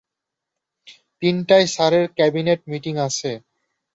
তিনটায় স্যারের cabinet meeting আছে।